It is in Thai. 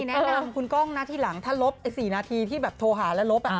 แนะนำคุณกล้องนะทีหลังถ้าลบ๔นาทีที่แบบโทรหาแล้วลบ